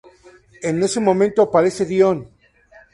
En ese momento aparece Dion.